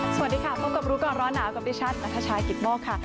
สวัสดีค่ะพบกับรู้ก่อนร้อนหนาวกับดิฉันนัทชายกิตโมกค่ะ